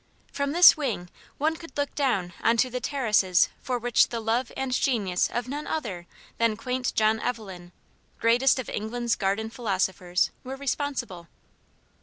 From this wing one could look down on to the terraces for which the love and genius of none other than quaint John Evelyn greatest of England's Garden Philosophers were responsible.